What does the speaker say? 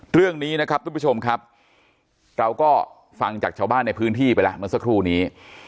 เรื่องนี้นะครับทุกผู้ชมครับเราก็ฟังจากชาวบ้านในพื้นที่ไปแล้วเมื่อสักครู่นี้